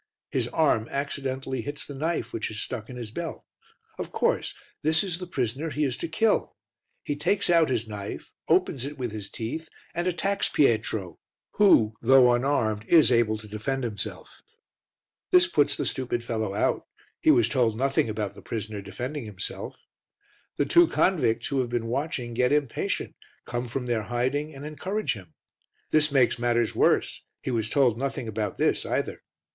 His arm accidentally hits the knife which is stuck in his belt; of course, this is the prisoner he is to kill; he takes out his knife, opens it with his teeth and attacks Pietro who, though unarmed, is able to defend himself. This puts the stupid fellow out, he was told nothing about the prisoner defending himself. The two convicts, who have been watching, get impatient, come from their hiding and encourage him. This makes matters worse, he was told nothing about this either.